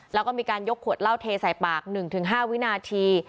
แล้วก็มีการยกขวดเหล้าเทใส่ปาก๑๕วินาที